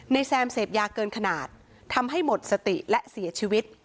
แซมเสพยาเกินขนาดทำให้หมดสติและเสียชีวิต